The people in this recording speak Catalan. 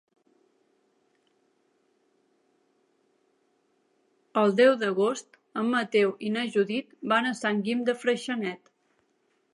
El deu d'agost en Mateu i na Judit van a Sant Guim de Freixenet.